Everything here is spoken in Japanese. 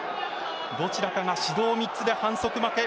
どちらかが指導３つで反則負け。